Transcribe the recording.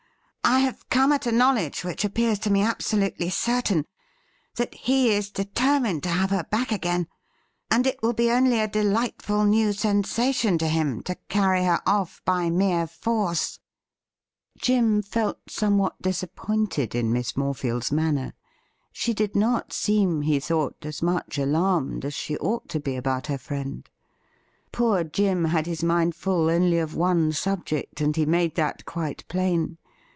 I have come at a knowledge which appears to me absolutely certain that he is determined to have her back again, and it will be only a delightful new sensation to him to carry her off by mere force.' Jim felt somewhat disappointed in Miss Morefield's •WHAT IS TO BE DONE FIRST?' 277 manner. She did not seem, he thought, as much alarmed as she ought to be about her friend. Poor Jim had his mind full only of one subject, and he made that quite plain.